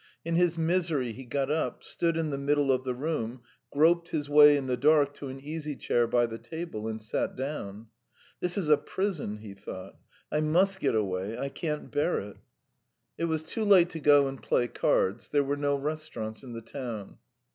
In his misery he got up, stood in the middle of the room, groped his way in the dark to an easy chair by the table, and sat down. "This is a prison ..." he thought. "I must get away ... I can't bear it." It was too late to go and play cards; there were no restaurants in the town.